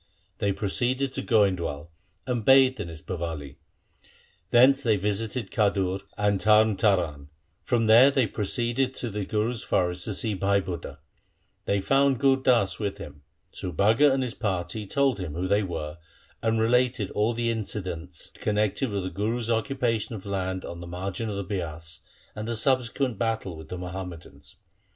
They proceeded to Goindwal, and bathed in its Bawali. Thence they visited Khadur and Tarn Taran. From there they proceeded to the Guru's forest to see Bhai Budha. They found Gur Das with him. Subhaga and his party told them who they were, and related all the incidents connected with the Guru's occupa tion of land on the margin of the Bias and the subsequent battle with the Muhammadans.